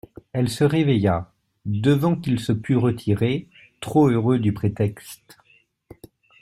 Elle se réveilla, devant qu'il se pût retirer, trop heureux du prétexte.